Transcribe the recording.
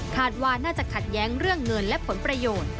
คาดว่าน่าจะขัดแย้งเรื่องเงินและผลประโยชน์